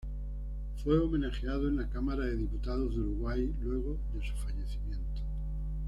Fue homenajeado en la Cámara de Diputados de Uruguay luego de su fallecimiento.